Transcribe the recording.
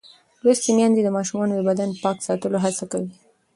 لوستې میندې د ماشومانو د بدن پاک ساتلو هڅه کوي.